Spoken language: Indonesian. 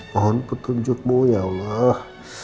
mohon petunjukmu ya allah